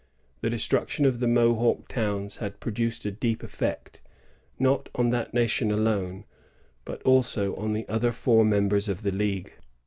The destruction of the Mohawk towns had produced a deep effect, not on that nation alone, but also on the other four members of the league.